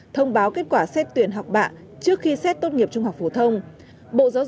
thông báo kết quả xét tuyển học bạ trước khi xét tốt nghiệp trung học phổ thông